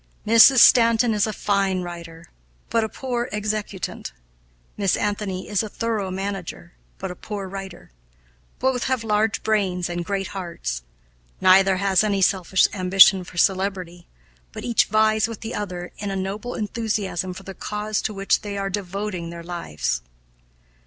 "Mrs. Stanton is a fine writer, but a poor executant; Miss Anthony is a thorough manager, but a poor writer. Both have large brains and great hearts; neither has any selfish ambition for celebrity; but each vies with the other in a noble enthusiasm for the cause to which they are devoting their lives.